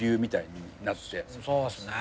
そうですね。